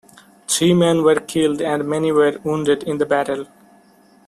Three men were killed, and many were wounded in the battle.